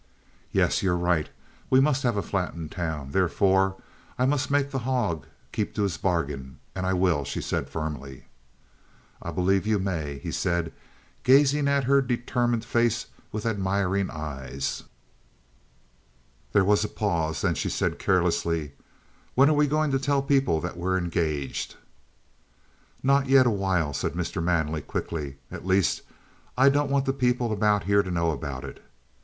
"Yes. You're right. We must have a flat in town. Therefore, I must make the hog keep to his bargain, and I will," she said firmly. "I believe you may," he said, gazing at her determined face with admiring eyes. There was a pause. Then she said carelessly: "When are we going to tell people that we're engaged?" "Not yet awhile," said Mr. Manley quickly. "At least I don't want the people about here to know about it.